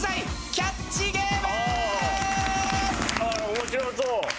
面白そう！